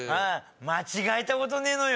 間違えたことねえのよ。